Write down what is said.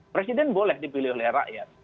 presiden boleh dipilih oleh rakyat